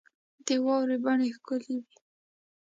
د واورې بڼې ښکلي وې.